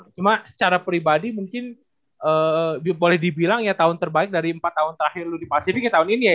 cuma secara pribadi mungkin boleh dibilang ya tahun terbaik dari empat tahun terakhir dulu di pasifik ya tahun ini ya